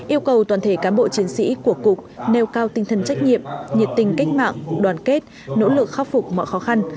yêu cầu toàn thể cán bộ chiến sĩ của cục nêu cao tinh thần trách nhiệm nhiệt tình cách mạng đoàn kết nỗ lực khắc phục mọi khó khăn